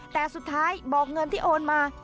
แต่สุดท้ายเบาะเงินที่โอนไวที่โอนมา